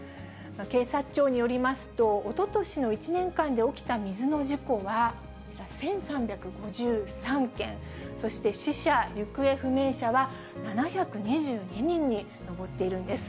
警察庁によりますと、おととしの１年間で起きた水の事故はこちら、１３５３件、そして死者・行方不明者は７２２人に上っているんです。